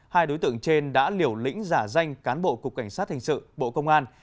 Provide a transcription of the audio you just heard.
hai đối tượng trên đã liều lĩnh giả danh cán bộ cục cảnh sát hình sự bộ công an